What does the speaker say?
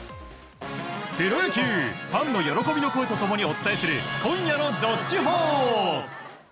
プロ野球ファンの喜びと声と共にお伝えする今夜の「＃どっちほー」。